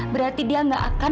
berarti dia ga akan